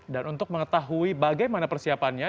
dan untuk mengetahui bagaimana persiapannya